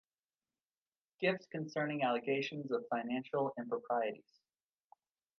Gift concerning allegations of financial improprieties.